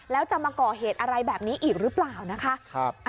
แล้วจะมาก่อเหตุอะไรแบบนี้อีกหรือเปล่านะคะ